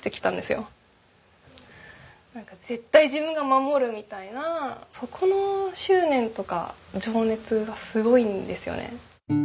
なんか「絶対自分が守る」みたいなそこの執念とか情熱がすごいんですよね。